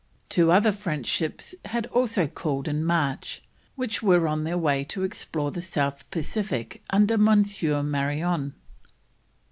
Two other French ships had also called in March, which were on their way to explore the South Pacific under M. Marion.